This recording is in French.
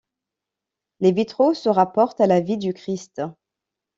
Les vitraux se rapportent à la vie du Christ.